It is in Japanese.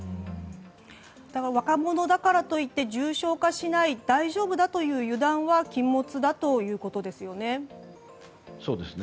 若者だからといって重症化しない大丈夫だという油断は禁物だということですよね。